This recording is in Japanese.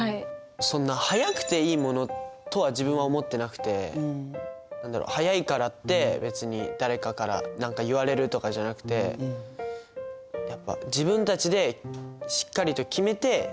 そんな早くていいものとは自分は思ってなくて早いからって別に誰かから何か言われるとかじゃなくてやっぱ自分たちでしっかりと決めて行動した方がいいと思います。